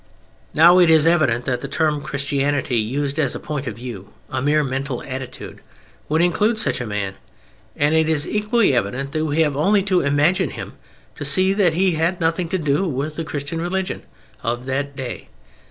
Now it is evident that the term "Christianity" used as a point of view, a mere mental attitude, would include such a man, and it is equally evident that we have only to imagine him to see that he had nothing to do with the Christian religion of that day.